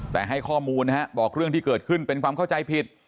แต่ให้ข้อมูลนะฮะบอกเรื่องที่เกิดขึ้นเป็นความเข้าใจผิด